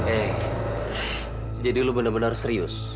eh jadi lu bener bener serius